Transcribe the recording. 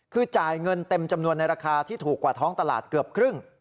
คือจ่ายเงินเต็มจำนวนในราคาที่ถูกกว่าท้องตลาดเกือบครึ่ง